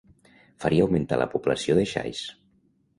Faria augmentar la població de xais.